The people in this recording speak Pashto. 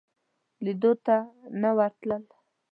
لیدلو ته نه ورتلل.